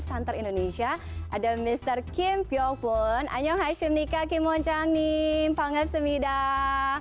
center indonesia ada mister kim piongpun annyeonghaseyo nikah kim wonjang nim panggap semidah